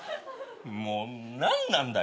もう何なんだよ。